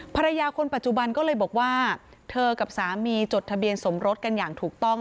ภรรยาคนปัจจุบันก็เลยบอกว่าเธอกับสามีจดทะเบียนสมรสกันอย่างถูกต้อง